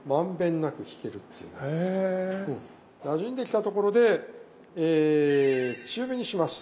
なじんできたところで中火にします。